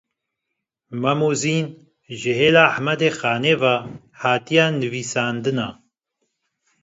Mem û Zîn ji hêla Ehmedê Xanê ve hatiye nivîsandin e